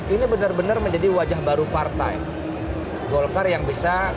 ini benar benar menjadi wajah baru partai golkar yang bisa